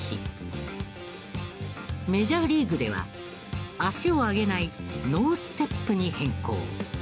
メジャーリーグでは足を上げないノーステップに変更。